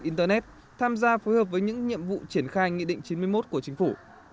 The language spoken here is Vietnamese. internet tham gia phối hợp với những nhiệm vụ triển khai nghị định chín mươi một của chính phủ